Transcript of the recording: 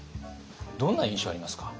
どんな印象ありますか？